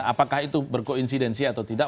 apakah itu berkoinsidensi atau tidak